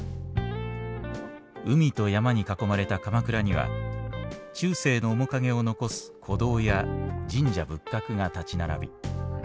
海と山に囲まれた鎌倉には中世の面影を残す古道や神社仏閣が立ち並び